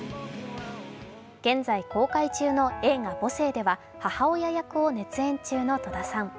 現在、公開中の映画「母性」では母親役を熱演中の戸田さん。